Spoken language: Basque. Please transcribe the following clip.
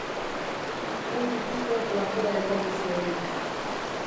Ez dut uste platera ekarri zionik.